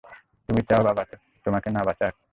তুমি চাও বাবা তোমাকে না বাঁচাক?